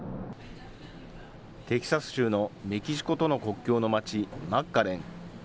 テキサス州のメキシコとの国境の町、マッカレン。